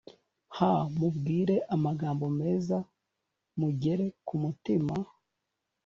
h mubwire amagambo meza mugere ku mutima